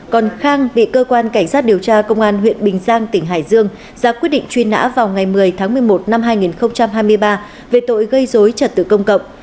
còn khang bị cơ quan cảnh sát điều tra công an huyện bình giang tỉnh hải dương ra quyết định truy nã vào ngày một mươi tháng một mươi một năm hai nghìn hai mươi ba về tội gây dối trật tự công cộng